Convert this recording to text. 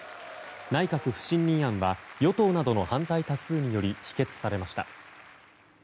内閣不信任案は与党などの反対多数により否決されました。